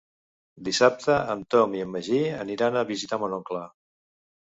Dissabte en Tom i en Magí aniran a visitar mon oncle.